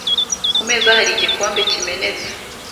Ku meza hari igikombe kimenetse.